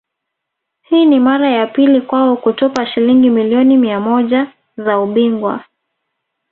Hii ni mara ya pili kwao kutupa Shilingi milioni mia moja za ubingwa